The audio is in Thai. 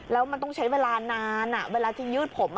แล้วมันต้องใช้เวลานานเวลาที่ยืดผม